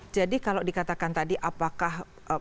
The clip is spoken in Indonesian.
jadi kalau dikatakan tadi apakah